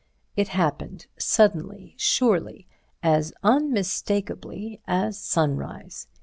It happened suddenly, surely, as unmistakably as sunrise.